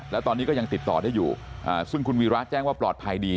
แล้วตอนนี้ก็ยังติดต่อได้อยู่ซึ่งคุณวีระแจ้งว่าปลอดภัยดี